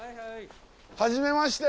はじめまして。